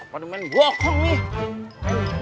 wah komponen bohong nih